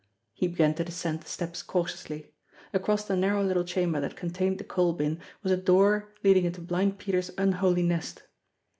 He began to descend the steps cautiously. Across the nar row little chamber that contained the coal bin was a door leading into Blind Peter's unholy nest.